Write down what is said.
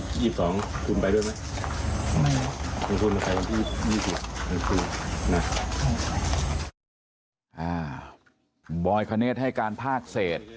บอย็ะเขาเนธขึ้นให้การภาคเศส